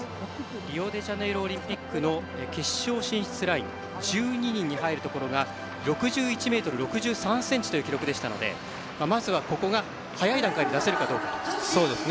リオデジャネイロオリンピックの決勝進出ライン１２人に入るところが６１ｍ６３ｃｍという記録でしたのでまずはここが早い段階で出せるかどうか。